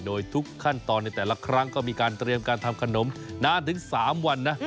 โดยทุกขั้นตอนในแต่ละครั้งก็มีการเตรียมการทำขนมนานถึง๓วันนะ